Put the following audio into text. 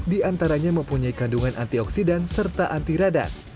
diantaranya mempunyai kandungan antioksidan serta anti radan